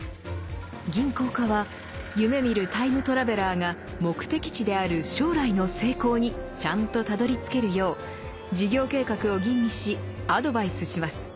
銀行家は夢みるタイムトラベラーが目的地である「将来の成功」にちゃんとたどりつけるよう事業計画を吟味しアドバイスします。